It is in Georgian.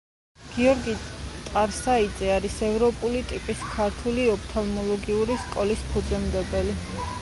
გიორგი ტარსაიძე არის ევროპული ტიპის ქართული ოფთალმოლოგიური სკოლის ფუძემდებელი.